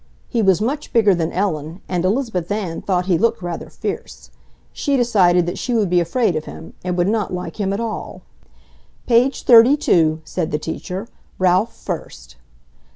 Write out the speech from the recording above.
He was much bigger than Ellen, and Elizabeth Ann thought he looked rather fierce. She decided that she would be afraid of him, and would not like him at all. "Page thirty two," said the teacher. "Ralph first."